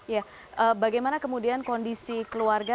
ya bagaimana kemudian kondisi keluarga